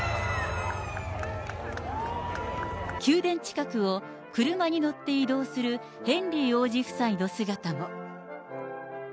宮殿近くを車に乗って移動するヘンリー王子夫妻の姿も。